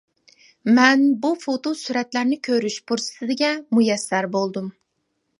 مەن بۇ فوتو سۈرەتلەرنى كۆرۈش پۇرسىتىگە مۇيەسسەر بولدۇم.